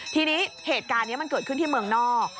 ทีนี้เหตุการณ์นี้มันเกิดขึ้นที่เมืองนอก